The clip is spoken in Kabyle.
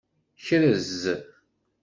Krez.